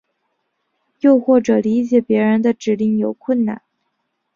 又或者理解别人的指令有困难。